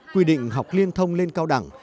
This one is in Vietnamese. quy định học liên thông lên cao đẳng